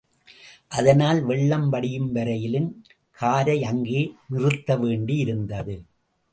அதனால் வெள்ளம் வடியும் வரையிலும் காரை அங்கே நிறுத்த வேண்டியிருந்தது.